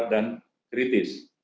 ini adalah hal yang sangat kritis